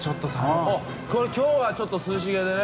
海きょうはちょっと涼しげでね。